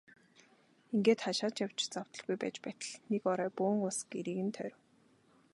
Ингээд хаашаа ч явж завдалгүй байж байтал нэг орой бөөн улс гэрийг нь тойров.